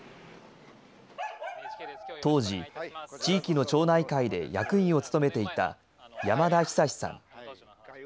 当時、地域の町内会で役員を務めていた山田久さん。